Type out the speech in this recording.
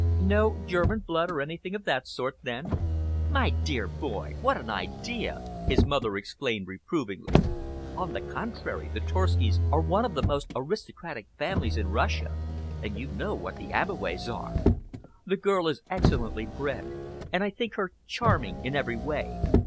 "No German blood, or anything of that sort, then?" "My dear boy, what an idea!" his mother exclaimed reprovingly. "On the contrary, the Torskis are one of the most aristocratic families in Russia, and you know what the Abbeways are. The girl is excellently bred, and I think her charming in every way.